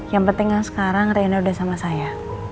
yang penting sekarang reyna sudah sama saya